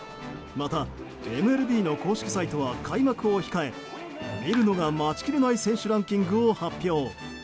また、ＭＬＢの公式サイトは開幕を控え見るのが待ちきれない選手ランキングを発表。